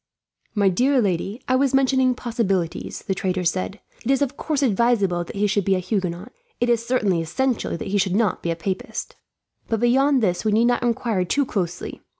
"My dear lady, I was mentioning possibilities," the trader said. "It is of course advisable that he should be a Huguenot, it is certainly essential that he should not be a Papist; but beyond this we need not inquire too closely.